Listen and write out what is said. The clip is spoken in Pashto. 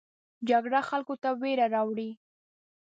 جګړه خلکو ته ویره راوړي